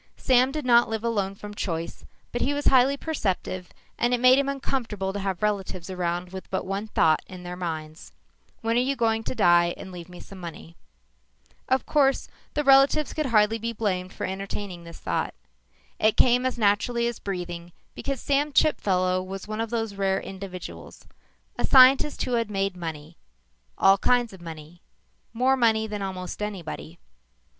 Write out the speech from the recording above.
Sam did not live alone from choice, but he was highly perceptive and it made him uncomfortable to have relatives around with but one thought in their minds: When are you going to die and leave me some money? Of course, the relatives could hardly be blamed for entertaining this thought. It came as naturally as breathing because Sam Chipfellow was one of those rare individuals a scientist who had made money; all kinds of money; more money than almost anybody.